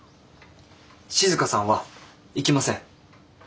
静さんは行きません。